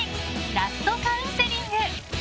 ラストカウンセリング！